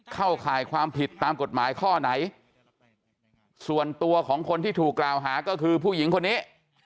เข้าข่ายความผิดตามกฎหมายข้อไหนส่วนตัวของคนที่ถูกกล่าวหาก็คือผู้หญิงคนนี้